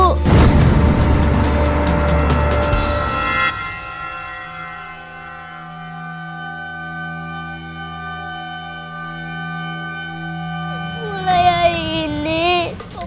tapi apakah saya ini boo